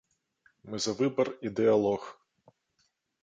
Мы за выбар і дыялог.